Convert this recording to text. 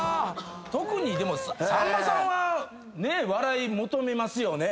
特にさんまさんは笑い求めますよね。